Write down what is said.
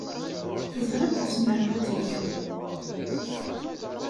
Teẓramt zemreɣ ad tt-geɣ.